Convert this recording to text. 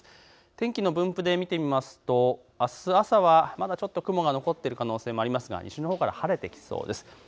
天気の分布で見てみますとあす朝はまだ雲が残っている可能性がありますが西のほうから晴れてきそうです。